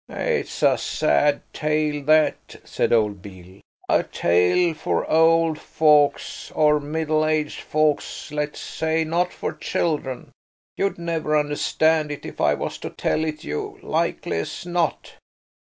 "It's a sad tale, that," said old Beale, "a tale for old folks–or middle aged folks, let's say–not for children. You'd never understand it if I was to tell it you, likely as not."